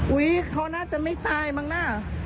เขาน่าจะไม่ตายมั้งนะ